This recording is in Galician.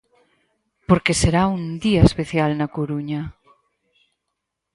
Porque será un día especial na Coruña.